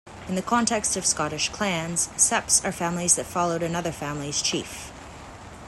In the context of Scottish clans, septs are families that followed another family's chief.